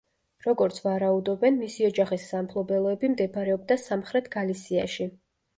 როგორც ვარაუდობენ მისი ოჯახის სამფლობელოები მდებარეობდა სამხრეთ გალისიაში.